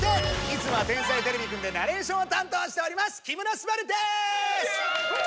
いつもは「天才てれびくん」でナレーションを担当しております木村昴です！